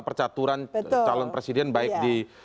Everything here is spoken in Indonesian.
percaturan calon presiden baik di